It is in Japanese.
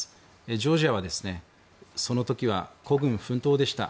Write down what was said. ジョージアはその時は孤軍奮闘でした。